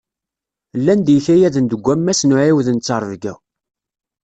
Llan-d yikayaden deg wammas n uɛiwed n ttrebga.